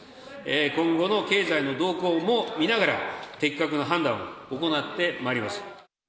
今後の経済の動向も見ながら、的確な判断を行ってまいります。